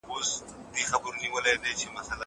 زه مخکي د کتابتوننۍ سره مرسته کړې وه!!